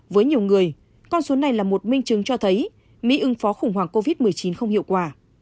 với nhiều người con số này là một minh chứng cho thấy mỹ ưng phó khủng hoảng covid một mươi chín không hiệu quả